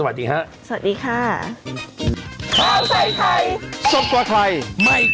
พรุ่งนี้กลับมาเจอกันก่อนสวัสดีค่ะ